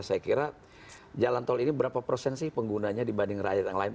saya kira jalan tol ini berapa persen sih penggunanya dibanding rakyat yang lain